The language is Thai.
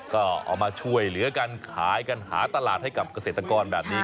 ก็เอามาช่วยเหลือกันขายกันหาตลาดให้กับเกษตรกรแบบนี้